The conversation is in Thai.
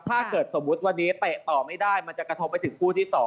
ถ้าเกิดสมมุติวันนี้เตะต่อไม่ได้มันจะกระทบไปถึงคู่ที่๒